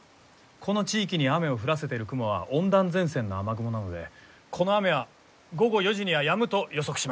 この地域に雨を降らせている雲は温暖前線の雨雲なのでこの雨は午後４時にはやむと予測します。